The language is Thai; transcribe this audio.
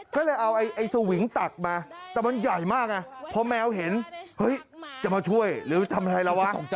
แต่มันใหญ่มากเพราะแมวเห็นจะมาช่วยหรือทำอะไรแล้ว